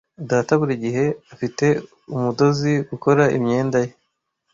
Data buri gihe afite umudozi gukora imyenda ye.